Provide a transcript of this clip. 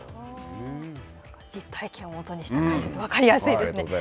実体験を基にした解説、分かりやすいですね。